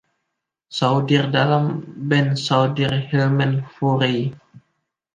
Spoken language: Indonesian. Souther dalam Band Souther-Hillman-Furay.